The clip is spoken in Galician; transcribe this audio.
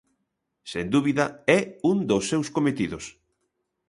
Sen dúbida é un dos seus cometidos.